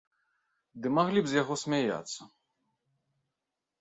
Ды маглі б з яго смяяцца.